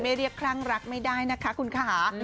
ไม่เรียกครั่งรักไม่ได้นะคะมีคุณคะ